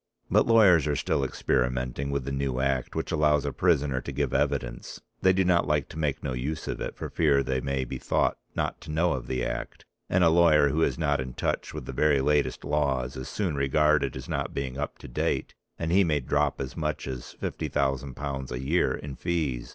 But lawyers are still experimenting with the new act which allows a prisoner to give evidence. They do not like to make no use of it for fear they may be thought not to know of the act, and a lawyer who is not in touch with the very latest laws is soon regarded as not being up to date and he may drop as much as £50,000 a year in fees.